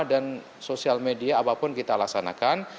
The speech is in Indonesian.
dan sosial media apapun kita laksanakan